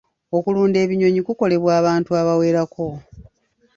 Okulunda ebinyonyi kukolebwa abantu abawerako.